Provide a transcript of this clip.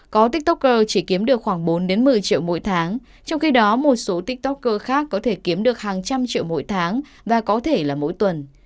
có tiktoker chỉ kiếm được khoảng bốn một mươi triệu mỗi tháng trong khi đó một số tiktoker khác có thể kiếm được hàng trăm triệu mỗi tháng và có thể là mỗi tuần